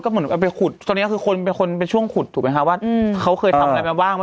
เหมือนเอาไปขุดตอนนี้คือคนเป็นคนเป็นช่วงขุดถูกไหมคะว่าเขาเคยทำอะไรมาบ้าง